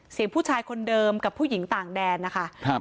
ผู้ชายคนเดิมกับผู้หญิงต่างแดนนะคะครับ